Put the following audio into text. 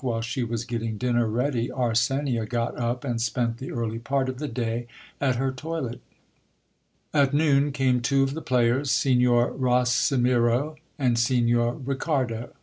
While she was getting dinner ready, Arsenia got up and spent the early part of the day at her toilet At noon came two of the players, Signor Rosimiro and Signor Ricardo.